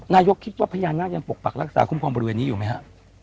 นายกคิดว่าพญานาคยังปกปักรักษาคุ้มครองบริเวณนี้อยู่ไหมฮะ